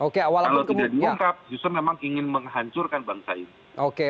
kalau tidak diungkap justru memang ingin menghancurkan bangsa ini